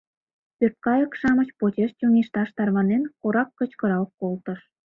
— пӧрткайык-шамыч почеш чоҥешташ тарванен, корак кычкырал колтыш.